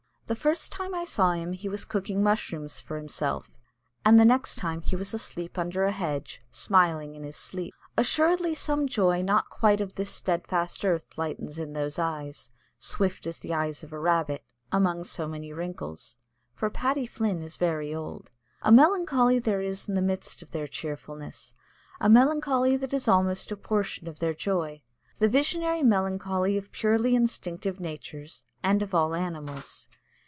The first time I saw him he was cooking mushrooms for himself; the next time he was asleep under a hedge, smiling in his sleep. Assuredly some joy not quite of this steadfast earth lightens in those eyes swift as the eyes of a rabbit among so many wrinkles, for Paddy Flynn is very old. A melancholy there is in the midst of their cheerfulness a melancholy that is almost a portion of their joy, the visionary melancholy of purely instinctive natures and of all animals.